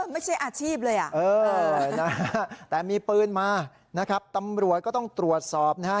ไม่ใช่อาชีพเลยอ่ะเออนะฮะแต่มีปืนมานะครับตำรวจก็ต้องตรวจสอบนะฮะ